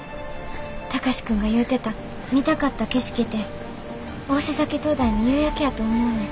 貴司君が言うてた見たかった景色て大瀬埼灯台の夕焼けやと思うねん。